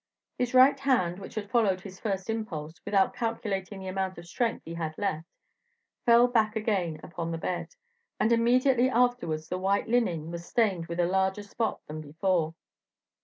His right hand, which had followed his first impulse, without calculating the amount of strength he had left, fell back again upon the bed, and immediately afterwards the white linen was stained with a larger spot than before.